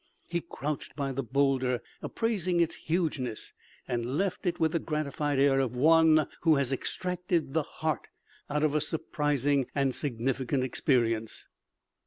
He crouched by the boulder, appraising its hugeness, and left it with the gratified air of one who has extracted the heart out of a surprising and significant experience.